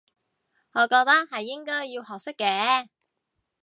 我覺得係應該要學識嘅